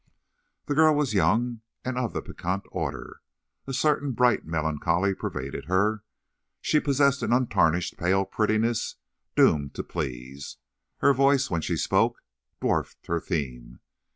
The girl was young and of the piquant order. A certain bright melancholy pervaded her; she possessed an untarnished, pale prettiness doomed to please. Her voice, when she spoke, dwarfed her theme.